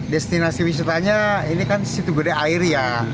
destinasi wisatanya ini kan situ gede air ya